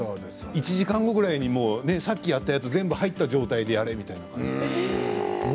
１時間後ぐらいにさっきやったものを全部入った状態でやるみたいに。